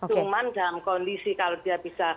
cuman dalam kondisi kalau dia bisa